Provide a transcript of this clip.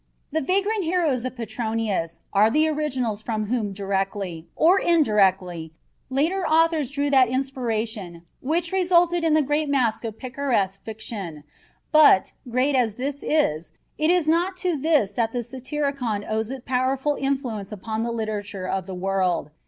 The vagrant heroes of Petronius are the originals from whom directly, or indirectly, later authors drew that inspiration which resulted in the great mass of picaresque fiction; but, great as this is, it is not to this that the Satyricon owes its powerful influence upon the literature of the world.